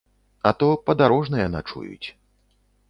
А то падарожныя начуюць.